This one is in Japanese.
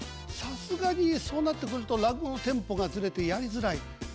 さすがにそうなってくると落語のテンポがずれてやりづらい。